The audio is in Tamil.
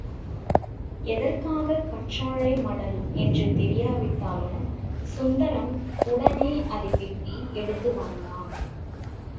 எதற்காகக் கற்றாழை மடல் என்று தெரியாவிட்டாலும் சுந்தரம் உடனே அதை வெட்டி எடுத்து வந்தான்.